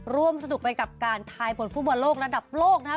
ร่วมสนุกไปกับการทายผลฟุตบอลโลกระดับโลกนะครับ